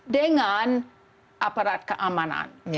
dengan aparat keamanan